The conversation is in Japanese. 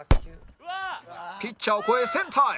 ピッチャーを越えセンターへ